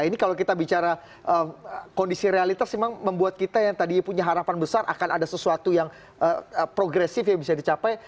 ini kalau kita bicara kondisi realitas memang membuat kita yang tadi punya harapan besar akan ada sesuatu yang progresif yang bisa dicapai